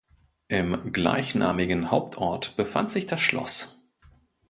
Im gleichnamigen Hauptort befand sich das Schloss.